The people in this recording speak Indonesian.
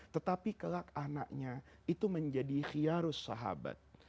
tetapi kelak anaknya itu menjadi khiyarus sahabat